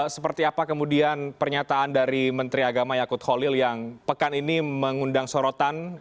seperti apa kemudian pernyataan dari menteri agama yakut holil yang pekan ini mengundang sorotan